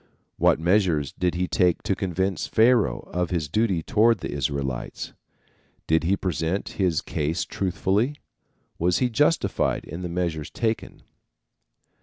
What measures did he take to convince Pharaoh of his duty toward the Israelites? Did he present his case truthfully? Was he justified in the measures taken?